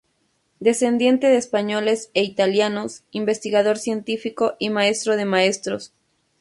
Descendiente de españoles e italianos, investigador científico y maestro de maestros.